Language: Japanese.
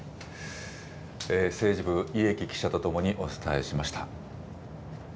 政治部、家喜記者と共にお伝えしました。